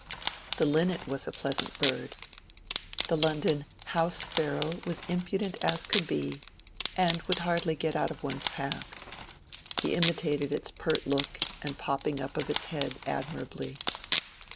The linnet was a pleasant bird. The London house sparrow was impudent as could be, and would hardly get out of one*s path. (He imitated its pert look and popping up of its head admirably.)